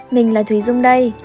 mình là thúy dung đây